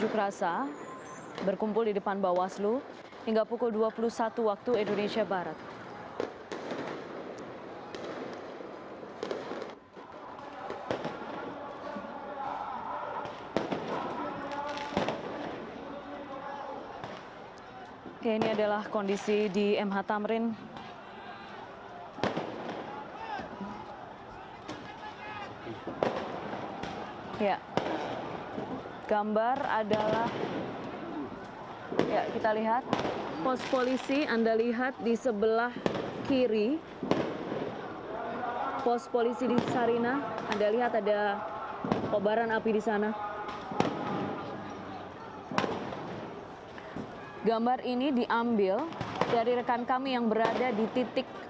keributan terjadi sekitar lima belas menit yang lalu